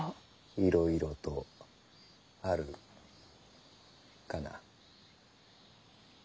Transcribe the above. いろいろとあるかな。